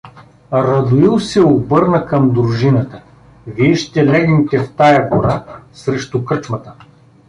Радоил се обърна към дружината: — Вие ще легнете в тая гора, срещу кръчмата.